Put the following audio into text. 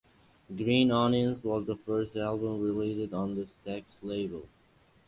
"Green Onions" was the first album released on the Stax label.